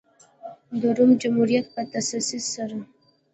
د روم جمهوریت په تاسیس سره.